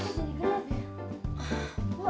terus udah jadi gelap ya